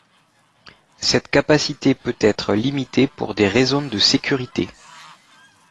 Cette capacité peut être limitée pour des raisons de sécurité.